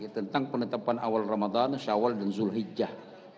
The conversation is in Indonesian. tentang penetapan awal ramadhan shawwal dan zulhijjah